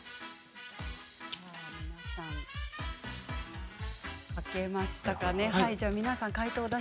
皆さん、書けましたか？